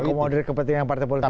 mengakomodir kepentingan partai politik